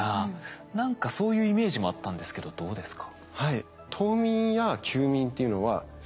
何かそういうイメージもあったんですけどどうですか？